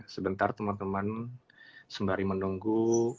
sebentar teman teman sembari menunggu